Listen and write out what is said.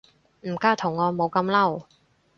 唔加圖案冇咁嬲